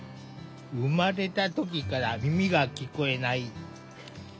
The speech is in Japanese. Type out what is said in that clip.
生まれた時から耳が聞こえない。